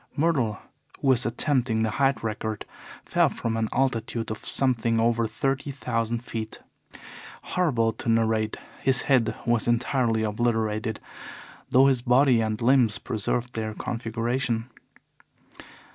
Myrtle, who was attempting the height record, fell from an altitude of something over thirty thousand feet. Horrible to narrate, his head was entirely obliterated, though his body and limbs preserved their configuration.